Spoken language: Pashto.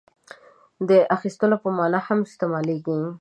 • دې د اخیستلو په معنیٰ هم استعمالېږي.